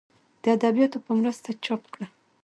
د اديبانو پۀ مرسته چاپ کړه